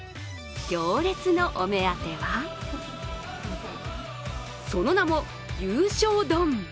行列のお目当てはその名も優勝丼。